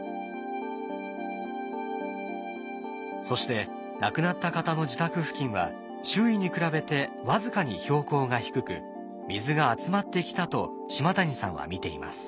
そして亡くなった方の自宅付近は周囲に比べて僅かに標高が低く水が集まってきたと島谷さんは見ています。